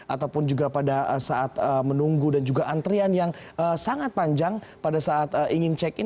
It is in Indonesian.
ataupun juga pada saat menunggu dan juga antrian yang sangat panjang pada saat ingin check in